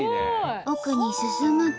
奥に進むと。